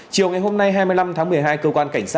chiều ngày hôm nay hai mươi năm tháng một mươi hai